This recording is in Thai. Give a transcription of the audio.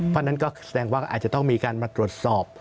เพราะฉะนั้นก็แสดงว่าอาจจะต้องมีการมาตรวจสอบ